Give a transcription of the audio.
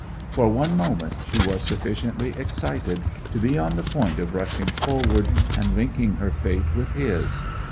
For one moment she was sufficiently excited to be on the point of rushing forward and linking her fate with his.